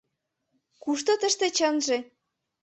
Кушто тыште чынже?